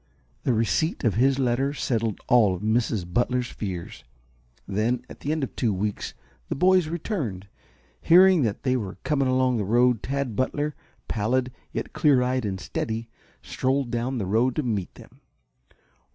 The receipt of his letter settled all of Mrs. Butler's fears. Then, at the end of two weeks, the boys returned. Hearing that they were coming along the road Tad Butler, pallid yet clear eyed and steady, strolled down the road to meet them.